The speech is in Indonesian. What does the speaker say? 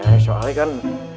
eh soalnya kan